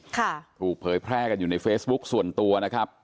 ถูกเผยแพร่กันอยู่ในเฟซบุ๊คส่วนตัวนะครับ